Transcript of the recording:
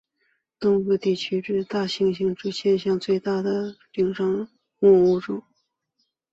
东部低地大猩猩是现存最大的灵长目动物。